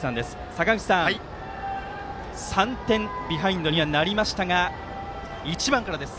坂口さん、３点のビハインドにはなりましたが１番からです。